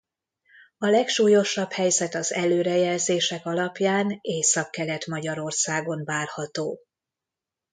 A legsúlyosabb helyzet az előrejelzések alapján Északkelet-Magyarországon várható.